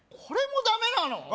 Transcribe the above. これもダメなの？